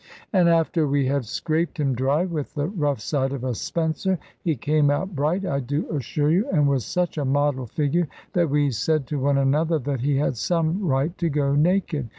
And after we had scraped him dry with the rough side of a spencer, he came out bright, I do assure you, and was such a model figure that we said to one another that he had some right to go naked.